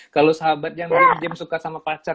kalau sahabat yang suka sama pacar